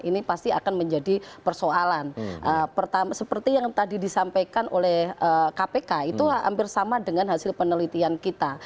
ini pasti akan menjadi persoalan seperti yang tadi disampaikan oleh kpk itu hampir sama dengan hasil penelitian kita